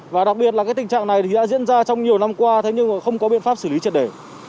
và đặc biệt là cái tình trạng này thì đã diễn ra trong nhiều năm qua thế nhưng mà không có biện pháp xử lý triệt để